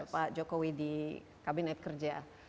pak jokowi di kabinet kerja